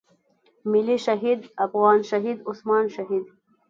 ملي شهيد افغان شهيد عثمان شهيد.